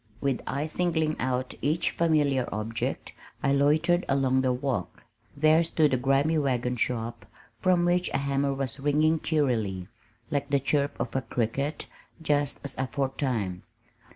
With eyes singling out each familiar object I loitered along the walk. There stood the grimy wagon shop from which a hammer was ringing cheerily, like the chirp of a cricket, just as aforetime.